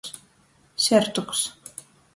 Sertuks.